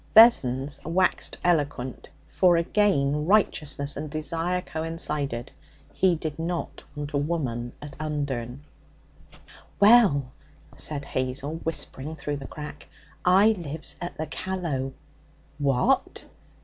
Vessons waxed eloquent, for again righteousness and desire coincided. He did not want a woman at Undern. 'Well,' said Hazel, whispering through the crack, 'I lives at the Callow.' 'What!